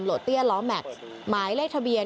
เตี้ยล้อแม็กซ์หมายเลขทะเบียน